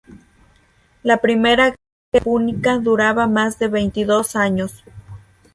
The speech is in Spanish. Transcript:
La primera guerra púnica duraba más de veintidós años.